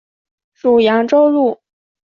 属扬州路。